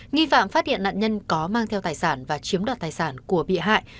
nghi phạm phát hiện nạn nhân có mang theo tài sản và chiếm đoạt tài sản của bị hại